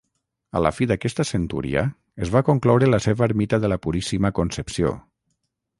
A la fi d'aquesta centúria es va concloure la seva ermita de la Puríssima Concepció.